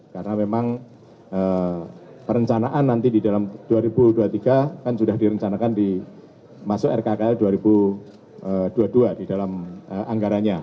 karena memang perencanaan nanti di dalam dua ribu dua puluh tiga kan sudah direncanakan di masuk rkkl dua ribu dua puluh dua di dalam anggaranya